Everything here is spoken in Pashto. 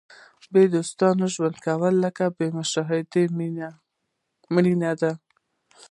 بې دوستانو ژوند کول لکه بې شاهده مړینه ده.